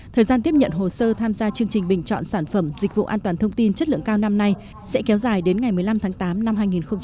thời gian tiếp nhận hồ sơ tham gia chương trình bình chọn sản phẩm dịch vụ an toàn thông tin chất lượng cao năm nay sẽ kéo dài đến ngày một mươi năm tháng tám năm hai nghìn hai mươi